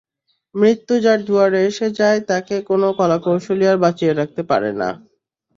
মৃত্যু যার দুয়ারে এসে যায় তাকে কোন কলাকৌশল আর বাঁচিয়ে রাখতে পারে না।